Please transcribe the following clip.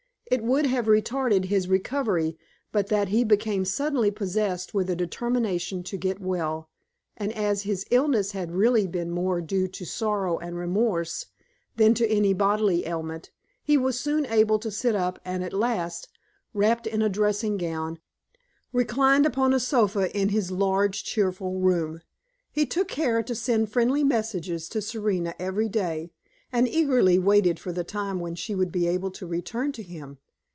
It would have retarded his recovery but that he became suddenly possessed with a determination to get well, and as his illness had really been more due to sorrow and remorse than to any bodily ailment, he was soon able to sit up and at last, wrapped in a dressing gown, reclined upon a sofa in his large, cheerful room. He took care to send friendly messages to Serena every day, and eagerly waited for the time when she would be able to return to him.